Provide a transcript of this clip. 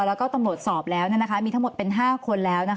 แล้วก็ตำรวจสอบแล้วมีทั้งหมดเป็น๕คนแล้ว